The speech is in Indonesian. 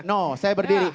no saya berdiri